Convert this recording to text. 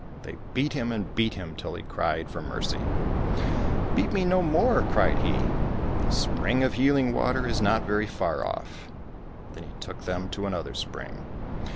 They beat him and beat him till he cried for mercy. *' Beat me no more !" cried he ;" the spring of healing water is not very far off !" Then he took them to another spring.